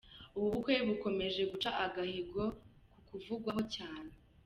Ubu bukwe bukomeje guca agahigo ko kuvugwaho cyane.